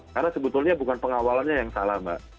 karena sebetulnya bukan pengawalannya yang salah mbak